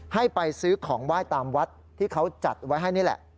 ให้ไปซื้อของไหว้ตามวัดที่เขาจัดไว้ให้นี่แหละ